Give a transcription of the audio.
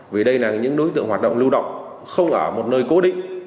vì đây là những đối tượng hoạt động lưu động không ở một nơi cố định